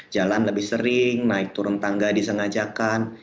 jalan lebih sering naik turun tangga disengajakan